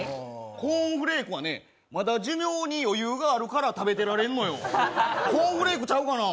コーンフレークはねまだ寿命に余裕があるから食べてられるのよ、コーンフレークちゃうがな。